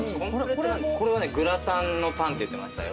これはグラタンのパンって言ってましたよ。